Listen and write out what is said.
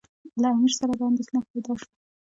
له امیر سره دا اندېښنه پیدا شوه.